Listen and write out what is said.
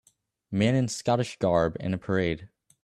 Man in scottish garb in a parade